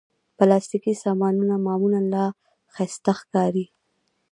پلاستيکي سامانونه معمولا ښايسته ښکاري.